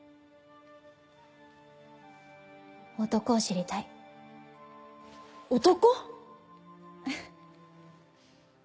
男を知りたい男